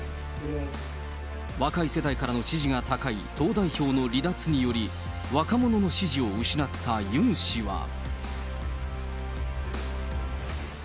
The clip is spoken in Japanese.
若い世代からの支持が高い党代表の離脱により、若者の支持を失ったユン氏は。